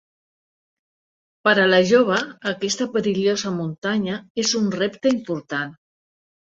Per a la jove, aquesta perillosa muntanya és un repte important…